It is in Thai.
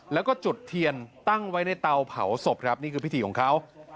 แล้วก็จุดเทียนตั้งไว้ในเตาเผาศพครับนี่คือพิธีของเขา